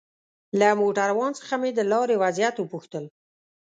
له موټروان څخه مې د لارې وضعيت وپوښتل.